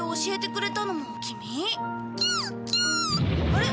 あれ？